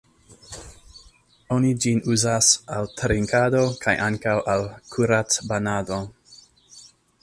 Oni ĝin uzas al trinkado kaj ankaŭ al kurac-banado.